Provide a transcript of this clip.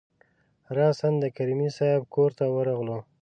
راسآ د کریمي صیب کورته ورغلو.